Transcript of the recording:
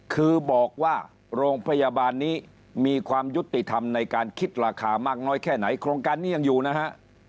คือบอกว่าโรงพยาบาลนี้มีความยุติธรรมในการคิดราคามากน้อยแค่ไหนโครงการนี้ยังอยู่นะฮะ